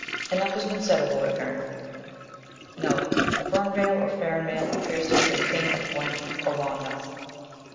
Enough has been said of Vortigern. (1) Fernvail, or Farinmail, appears to have been king of Gwent or Monmouth.